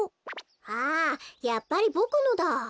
あやっぱりボクのだ。